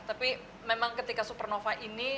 tapi memang ketika supernova ini